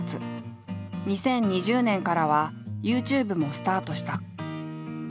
２０２０年からはＹｏｕＴｕｂｅもスタートした。